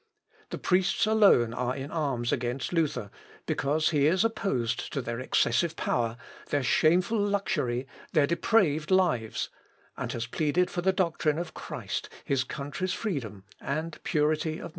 The priests alone are in arms against Luther because he is opposed to their excessive power, their shameful luxury, their depraved lives, and has pleaded for the doctrine of Christ, his country's freedom, and purity of manners.